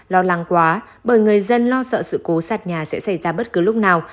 lo lắng quá bởi người dân lo sợ sự cố sạt nhà sẽ xảy ra bất cứ lúc nào